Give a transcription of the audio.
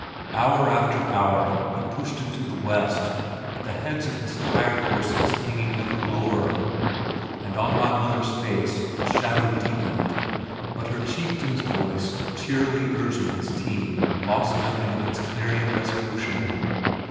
Hour after hour he pushed into the west, the heads of his tired horses hanging ever lower, and on my mother's face the shadow deepened, but her chieftain's voice cheerily urging his team lost nothing of its clarion resolution.